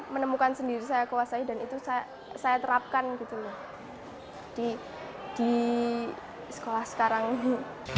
menemukan sendiri saya kuasai dan itu saya terapkan gitu loh di sekolah sekarang ini